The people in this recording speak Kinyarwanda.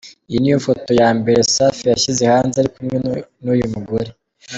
Iyi niyo foto ya mbere Safi yashyize hanze ari kumwe n'uyu mugore .